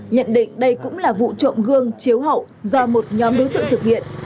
nhận định đây cũng là vụ trộm gương chiếu hậu do một nhóm đối tượng thực hiện